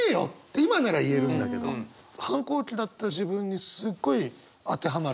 今なら言えるんだけど反抗期だった自分にすごい当てはまる。